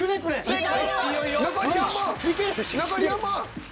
正解。